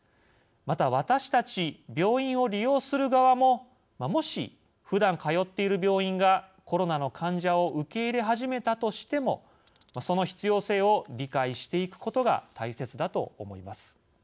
また私たち病院を利用する側ももしふだん通っている病院がコロナの患者を受け入れ始めたとしてもその必要性を理解していくことが大切だと思います。